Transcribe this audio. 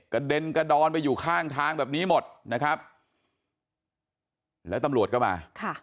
กระเด็นกระดอนไปอยู่ข้างทางแบบนี้หมดนะครับแล้วตำรวจก็มา